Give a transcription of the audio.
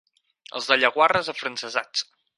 Els de Llaguarres, afrancesats.